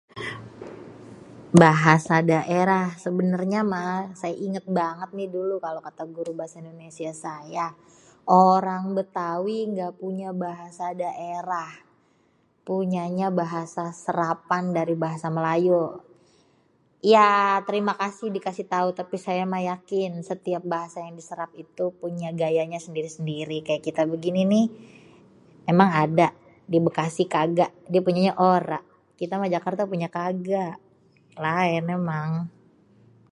Bahasa daerah sebenernye mah saya inget banget nih dulu kalo kata guru bahasa Indonesia saya. Orang Bétawi gak punya bahasa daerah punyanya bahasa serapan dari bahasa Melayu. Ya terima kasih dikasi tau tapi saya mah yakin setiap bahasa yang diserap itu punya gayanya sendiri-sendiri kaya kita begini ni, emang ada di Bekasi kaga punyanya ora kita mah Jakarta punyanya kaga laen emang.